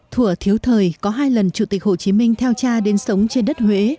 thủa thiếu thời có hai lần chủ tịch hồ chí minh theo cha đến sống trên đất huế